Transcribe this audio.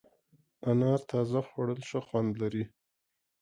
انار تازه خوړل ښه خوند لري.